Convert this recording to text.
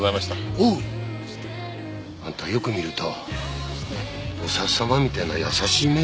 おう！あんたよく見ると菩薩様みたいな優しい目してるな。